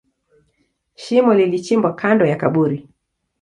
Shimo lilichimbwa kando ya kaburi.